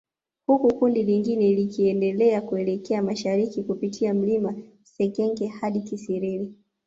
Huku kundi lingine likiendelea kuelekea mashariki kupitia mlima Sekenke hadi Kisiriri